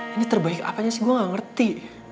ini terbaik apanya sih gue gak ngerti